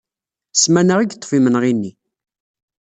Ssmana i yeṭṭef yimenɣi-nni.